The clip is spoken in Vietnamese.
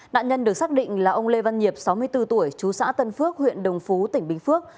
nạn nhân được xác định là ông lê văn hiệp sáu mươi bốn tuổi chú xã tân phước huyện đồng phú tỉnh bình phước